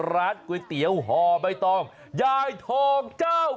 ร้านก๋วยเตี๋ยวห่อใบตองยายทองเจ้า